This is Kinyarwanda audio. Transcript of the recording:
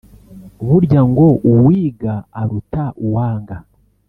Burya ngo uwiga aruta uwanga